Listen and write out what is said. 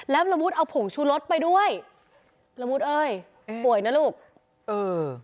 แล้วละมุดเอาผงชูรสไปด้วยละมุดเอ้ยอืมป่วยนะลูกเออ